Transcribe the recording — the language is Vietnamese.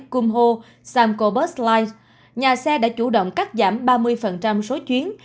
cung hô samco bus line nhà xe đã chủ động cắt giảm ba mươi số chuyến